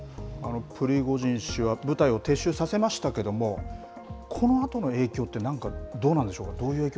プリゴジン氏は部隊を撤収させましたけれども、このあとの影響って、何か、どうなんでしょうか。